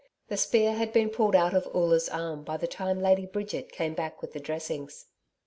The spear had been pulled out of Oola's arm by the time Lady Bridget came back with the dressings.